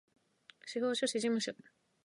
司法書士事務所